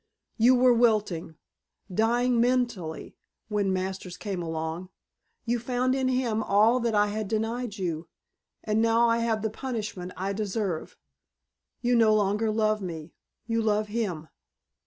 You were wilting dying mentally when Masters came along. You found in him all that I had denied you. And now I have the punishment I deserve. You no longer love me. You love him."